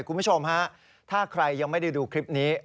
คุณผู้ชมฮะถ้าใครยังไม่ได้ดูคลิปนี้